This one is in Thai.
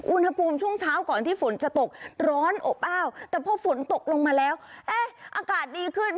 อุณหภูมิช่วงเช้าก่อนที่ฝนจะตกร้อนอบอ้าวแต่พอฝนตกลงมาแล้วเอ๊ะอากาศดีขึ้น